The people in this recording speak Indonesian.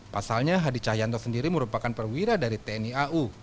pasalnya hadi cahyanto sendiri merupakan perwira dari tni au